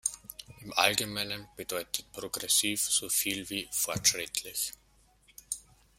Im Allgemeinen bedeutet progressiv so viel wie „fortschrittlich“.